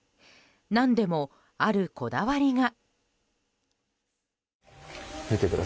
何でも、あるこだわりが。